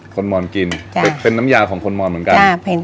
คนมอนกินเป็นน้ำยาของคนมอนเหมือนกัน